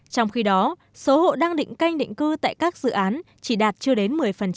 trong khi đó số hộ đang định canh định cư tại các dự án chỉ đạt chưa đến một mươi